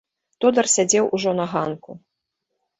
Тодар сядзеў ужо на ганку.